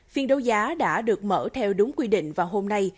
phiên đấu giá đã được mở theo đúng quy định vào hôm nay